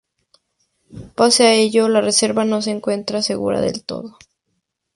Pese a ello la reserva no se encuentra segura del todo.